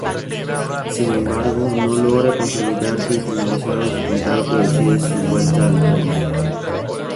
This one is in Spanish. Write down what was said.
Sin embargo, no logra consolidarse y finalizado su contrato decide su vuelta al país.